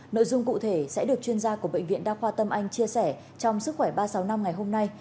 nội dung cụ thể sẽ được chuyên gia của bệnh viện đa khoa tâm anh chia sẻ trong sức khỏe ba trăm sáu mươi năm ngày hôm nay